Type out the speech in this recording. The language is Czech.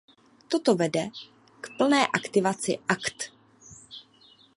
Toto vede k plné aktivaci Akt.